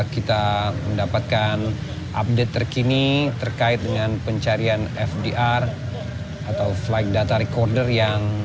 kita mendapatkan update terkini terkait dengan pencarian fdr atau flight data recorder yang